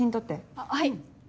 あっはい。